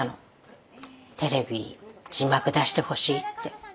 テレビ字幕出してほしいって。